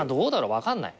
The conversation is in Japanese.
分かんない。